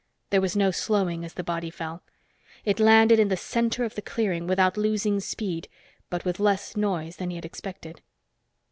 There was no slowing as the body fell. It landed in the center of the clearing, without losing speed, but with less noise than he had expected.